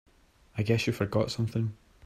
I guess you forgot something.